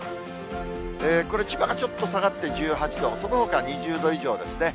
これ、千葉がちょっと下がって１８度、そのほか２０度以上ですね。